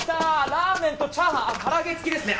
ラーメンとチャーハンあっ唐揚げ付きですね。